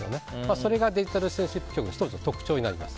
それがデジタル・シティズンシップ教育の１つの特徴になります。